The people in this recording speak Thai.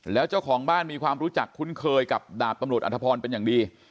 แล้วเจ้าของบ้านมีความรู้จักคุ้นเคยกับดาบตำรวจอธพรเป็นอย่างดี